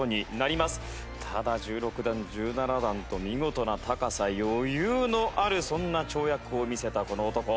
ただ１６段１７段と見事な高さ余裕のあるそんな跳躍を見せたこの男。